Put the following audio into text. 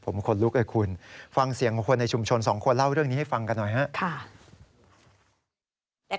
ไม่มีใช่ไหมครับไม่มีแหมเราอยู่กันสุขสบายแล้ว